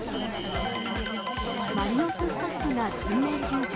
マリノススタッフが人命救助。